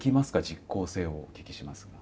実行性をお聞きしますが。